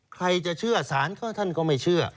ใครจะเชื่อสารก็ท่านก็ไม่เชื่อ